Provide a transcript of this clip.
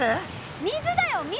水だよ水！